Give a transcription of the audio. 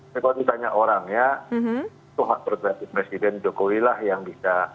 tapi kalau ditanya orang ya tuhan berkata presiden joko widodo yang bisa